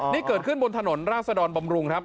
นี่เกิดขึ้นบนถนนราชดรบำรุงครับ